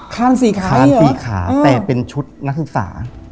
คานสี่ขาคานสี่ขาแต่เป็นชุดนักศึกษา